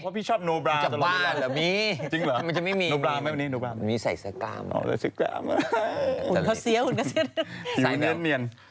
พี่ชอบโนบรามมันมีใส่สักกราม